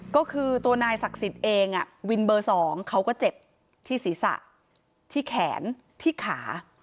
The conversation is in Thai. ก็คือตัวนายศักดิ์สิทธิ์เองวินเบอร์๒เขาก็เจ็บที่ศีรษะที่แขนที่ขา